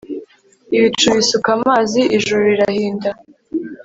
ibicu bisuka amazi, ijuru rirahinda,